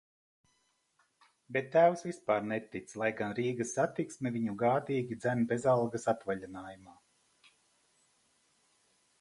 Bet tēvs vispār netic, lai gan Rīgas Satiksme viņu gādīgi dzen bezalgas atvaļinājumā.